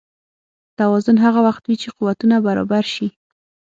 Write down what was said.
توازن هغه وخت وي چې قوتونه برابر شي.